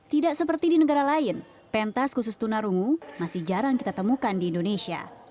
tidak seperti di negara lain pentas khusus tunarungu masih jarang kita temukan di indonesia